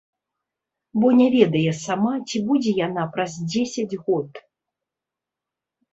Бо не ведае сама, ці будзе яна праз дзесяць год.